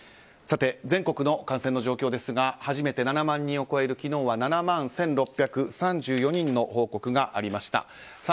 全国の感染の状況ですが初めて７万人を超える昨日は７万１６３４人の報告がありました。